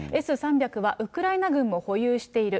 Ｓー３００はウクライナ軍も保有している。